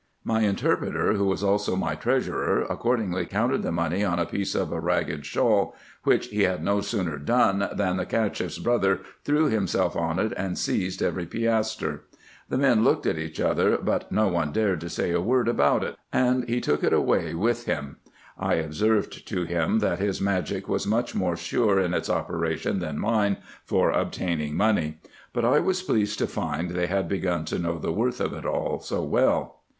My interpreter, who was also my treasurer, accordingly counted the money on a piece of a ragged shawl, which he had no sooner done, than the CachefF's brother threw himself on it, and seized every piastre. The men looked at each other, but no one dared to say a word about it ; and he took it all away with him. I observed to him, that his magic was much more sure in its operation than mine, for obtaining money. But I was pleased to find they had begun to know the worth of it so well.